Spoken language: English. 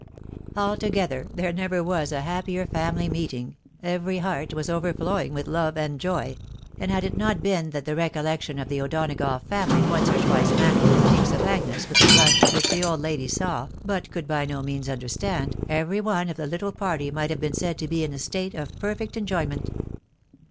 " Altogether there never was a happier family meeting, every heart was overflowing with love and joy ; and had it not been that the recollection of the O'Donagough family once or twice mantled the cheeks of Agnes with a blush which the old lady saw, but could by no means understand, every one of the httle party might have been said to be in a state of perfect enjoy ment.